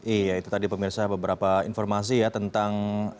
iya itu tadi pemirsa beberapa informasi ya tentang apa pentingnya kita untuk